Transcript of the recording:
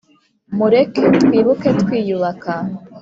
mureke twibuke twiyubaka